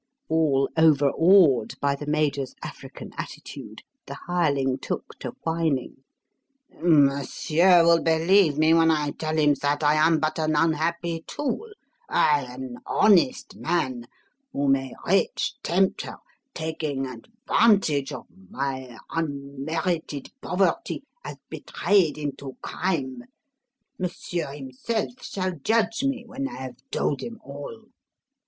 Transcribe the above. All overawed by the Major's African attitude, the hireling took to whining. "Monsieur will believe me when I tell him that I am but an unhappy tool I, an honest man whom a rich tempter, taking advantage of my unmerited poverty, has betrayed into crime. Monsieur himself shall judge me when I have told him all!"